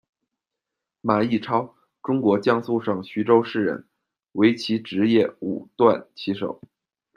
马逸超，中国江苏省徐州市人，围棋职业五段棋手。